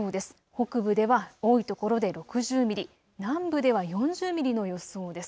北部では多いところで６０ミリ、南部では４０ミリの予想です。